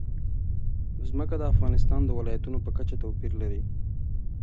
ځمکه د افغانستان د ولایاتو په کچه توپیر لري.